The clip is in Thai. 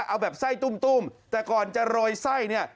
เอาแบบไส้ตุ้มแต่ก่อนจะโรยไส้เนี่ย